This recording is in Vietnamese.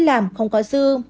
đi làm không có dư